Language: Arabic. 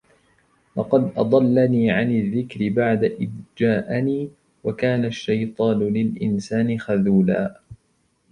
لَقَدْ أَضَلَّنِي عَنِ الذِّكْرِ بَعْدَ إِذْ جَاءَنِي وَكَانَ الشَّيْطَانُ لِلْإِنْسَانِ خَذُولًا